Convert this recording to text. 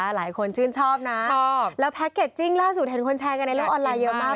หลายคนชื่นชอบนะชอบแล้วแพ็คเกจจิ้งล่าสุดเห็นคนแชร์กันในโลกออนไลน์เยอะมาก